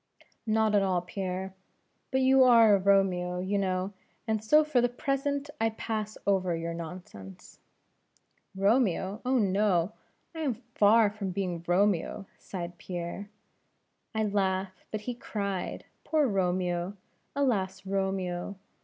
"Not at all, Pierre but you are a Romeo, you know, and so for the present I pass over your nonsense." "Romeo! oh, no. I am far from being Romeo " sighed Pierre. "I laugh, but he cried; poor Romeo! alas Romeo!